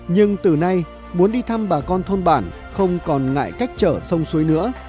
nhưng từ nay muốn đi thăm bà con thôn bản không còn ngại cách trở sông suối nữa